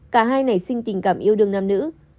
cả hai nảy sinh tình cảm yêu đương nam nữ